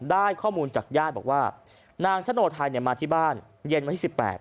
ได้ข้อมูลจากญาติบอกว่านางชะโนไทยมาที่บ้านเย็นวันที่๑๘